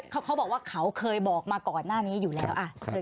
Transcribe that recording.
เขาบอกว่าเขาเคยบอกมาก่อนหน้านี้อยู่แล้ว